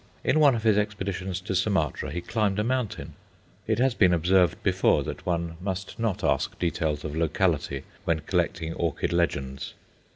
In one of his expeditions to Sumatra he climbed a mountain it has been observed before that one must not ask details of locality when collecting orchid legends.